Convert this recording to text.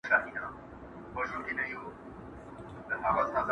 رابولې زر مخونه د خپل مخ و تماشې ته.